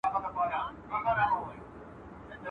نن پر ما، سبا پر تا.